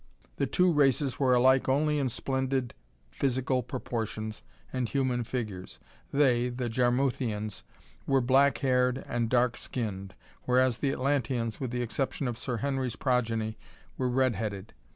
The two races were alike only in splendid physical proportions and human figures. They, the Jarmuthians, were black haired and dark skinned, whereas the Atlanteans, with the exception of Sir Henry's progeny, were red headed.